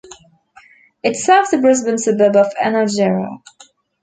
It serves the Brisbane suburb of Enoggera.